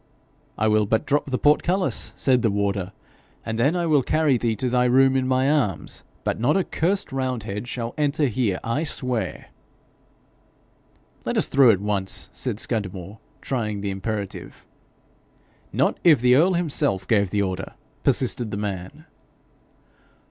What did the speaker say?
'I will but drop the portcullis,' said the warder, 'and then I will carry thee to thy room in my arms. But not a cursed roundhead shall enter here, I swear.' 'Let us through at once,' said Scudamore, trying the imperative. 'Not if the earl himself gave the order,' persisted the man.